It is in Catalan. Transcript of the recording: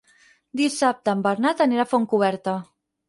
Dissabte en Bernat anirà a Fontcoberta.